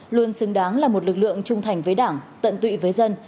luôn xứng đáng là một lực lượng trung thành với đảng tận tụy với dân